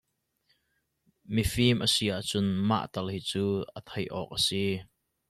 Mifim a si ahcun mah tal hi cu a theih awk a si.